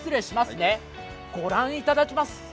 ご覧いただきます。